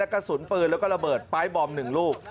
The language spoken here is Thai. กระสุนปืนแล้วก็ระเบิดปลายบอม๑ลูก